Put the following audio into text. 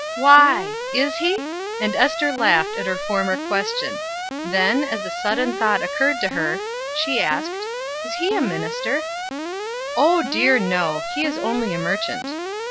"Why! is he?" and Ester laughed at her former question; then, as a sudden thought occurred to her, she asked: "Is he a minister?" "Oh dear no, he is only a merchant."